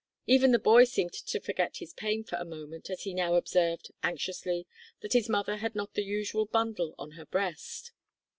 Even the boy seemed to forget his pain for a moment as he now observed, anxiously, that his mother had not the usual bundle on her breast.